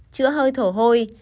chữa hơi thở hôi